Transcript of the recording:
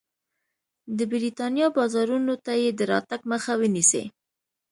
د برېټانیا بازارونو ته یې د راتګ مخه ونیسي.